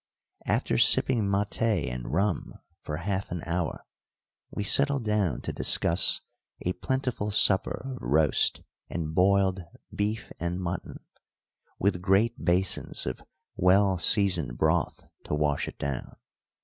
After sipping maté and rum for half an hour we settled down to discuss a plentiful supper of roast and boiled beef and mutton, with great basins of well seasoned broth to wash it down.